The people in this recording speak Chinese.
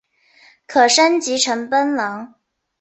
可升级成奔狼。